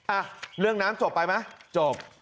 อ่ะเรื่องน้ำจบไปไหมจบ